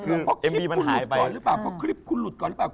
คือก็เพราะคลิปคุณหลุดก่อนหรือป่ะ